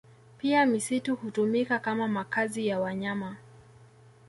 Pia misitu hutumika kama makazi ya wanyama